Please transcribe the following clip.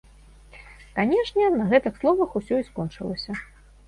Канешне, на гэтых словах усё і скончылася.